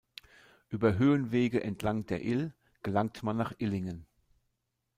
Über Höhenwege entlang der Ill gelangt man nach Illingen.